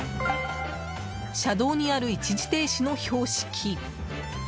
車道にある一時停止の標識。